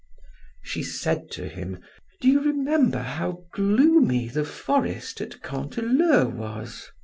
She said to him: "Do you remember how gloomy the forest at Canteleu was?